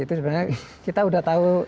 itu sebenarnya kita udah tahu